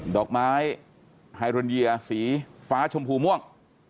ดอกไม้ไฮโรนเยียสีฟ้าชมพูม่วง